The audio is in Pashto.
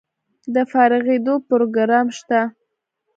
د فارغیدو پروګرام شته؟